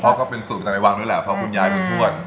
พ่อก็เป็นสูตรในวางด้วยแหละเพราะคุณยายเป็นบ้วน